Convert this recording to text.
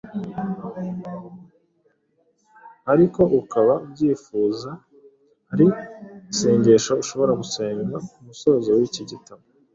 ariko ukaba ubyifuza, hari isengesho ushobora gusenga ku musozo w’iki gitabo